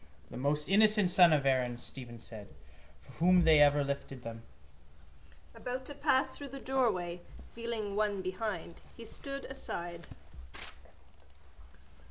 —The most innocent son of Erin, Stephen said, for whom they ever lifted them. About to pass through the doorway, feeling one behind, he stood aside.